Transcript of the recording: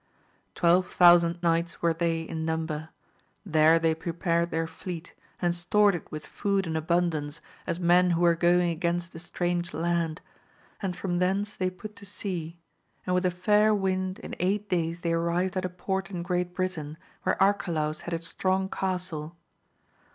Twelve thousand knights were they in number; there they prepared their fleet, and stored it with food in abundance, as AMADIS OF GAUL. 167 men who were going against a strange land ; and from thence they put to sea, and with a fair wind in eight days they arrived at a port in Great Britain where Arcalaus had a strong castle.